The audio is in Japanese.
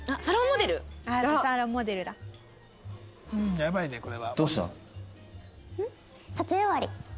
やばいねこれは。何？